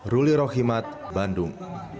ruli rohimat bandung